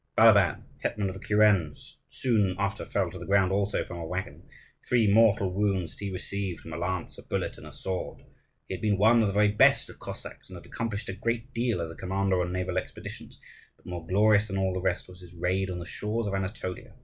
Balaban, hetman of a kuren, soon after fell to the ground also from a waggon. Three mortal wounds had he received from a lance, a bullet, and a sword. He had been one of the very best of Cossacks, and had accomplished a great deal as a commander on naval expeditions; but more glorious than all the rest was his raid on the shores of Anatolia.